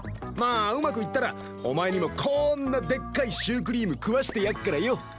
まあうまくいったらお前にもこんなでっかいシュークリーム食わしてやっからよ！